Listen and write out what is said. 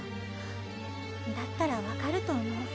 だったらわかると思う。